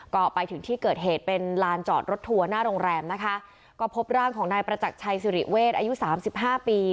ก็ไปถึงที่เกิดเหตุเป็นลานจอดรถทัวร์หน้าโรงแรมนะคะก็พบร่างของนายประจักรชัยสิริเวศอายุสามสิบห้าปี